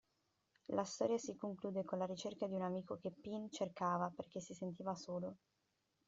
La storia si conclude con la ricerca di un amico che Pin cercava perché si sentiva solo.